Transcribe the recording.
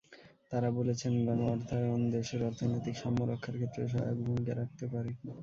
তাঁরা বলেছেন, গণ-অর্থায়ন দেশের অর্থনৈতিক সাম্য রক্ষার ক্ষেত্রে সহায়ক ভূমিকা রাখতে পারে।